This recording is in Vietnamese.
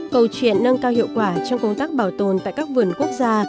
câu chuyện nâng cao hiệu quả trong công tác bảo tồn tại các vườn quốc gia